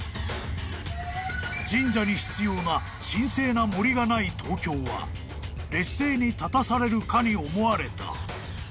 ［神社に必要な神聖な森がない東京は劣勢に立たされるかに思われた］